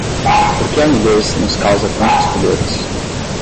Por que a nudez nos causa tantos pudores?